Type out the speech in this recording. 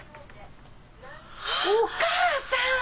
お母さん！